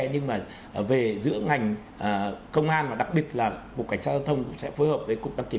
nhưng mà về giữa ngành công an và đặc biệt là cục cảnh sát giao thông cũng sẽ phối hợp với cục đăng kiểm